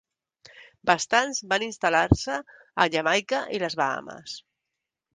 Bastants van instal·lar-se a Jamaica i les Bahames.